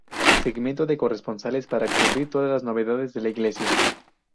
Segmento de corresponsales para cubrir todas las novedades de la Iglesia.